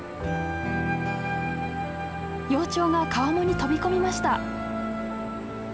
幼鳥が川面に飛び込みました！